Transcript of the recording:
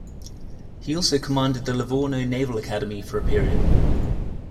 He also commanded the Livorno Naval Academy for a period.